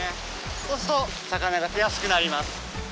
そうすると魚が出やすくなります。